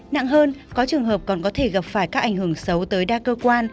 nặng hơn có trường hợp còn có thể gặp phải các ảnh hưởng xấu tới đa cơ quan